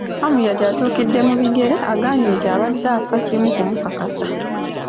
Amuriat atuukidde mu bigere, agambye nti abadde afa kimu kumukakasa.